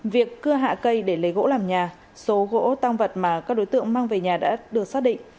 việc cưa hạ cây để lấy gỗ làm nhà số gỗ tăng vật mà các đối tượng mang về nhà đã được xác định